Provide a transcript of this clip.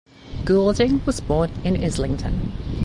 Goulding was born in Islington.